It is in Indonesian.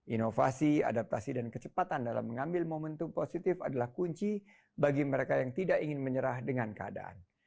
inovasi adaptasi dan kecepatan dalam mengambil momentum positif adalah kunci bagi mereka yang tidak ingin menyerah dengan keadaan